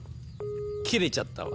切れちゃったわ。